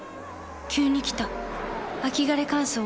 急に来た秋枯れ乾燥。